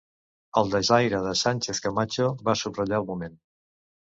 El desaire de Sánchez-Camacho va subratllar el moment.